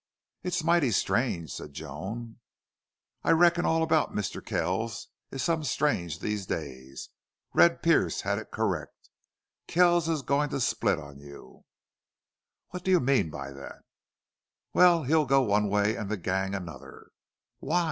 "It's mighty strange," said Joan. "I reckon all about Mr. Kells is some strange these days. Red Pearce had it correct. Kells is a goin' to split on you!" "What do you mean by that?" "Wal, he'll go one way an' the gang another."